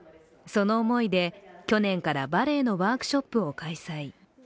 その思いで、去年からバレエのワークショップを開催。